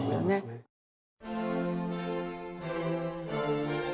そうですよね。